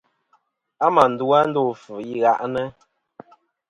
A mà ndu a ndo afvɨ i ghaʼnɨ.